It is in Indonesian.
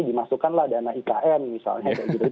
dimasukkanlah dana ikm misalnya